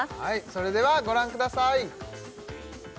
それではご覧ください